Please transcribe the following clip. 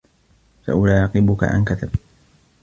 سأراقبك عن كثب.